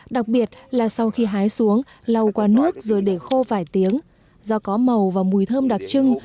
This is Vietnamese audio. đặc biệt là sau khi hái xuống lau qua nước rồi để khô vài tiếng do có màu và mùi thơm đặc trưng